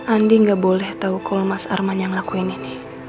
andi gak boleh tahu kalau mas arman yang ngelakuin ini